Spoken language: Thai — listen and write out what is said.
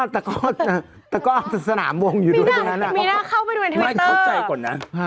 แต่ก็สนามวงอยู่ด้วยตรงนั้นมีหน้าเข้าไปด้วยไม่เข้าใจก่อนนะ